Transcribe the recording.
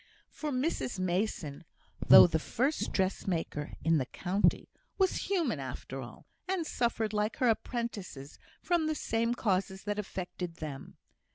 For Mrs Mason, though the first dressmaker in the county, was human after all; and suffered, like her apprentices, from the same causes that affected them.